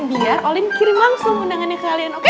biar olin kirim langsung undangannya kalian oke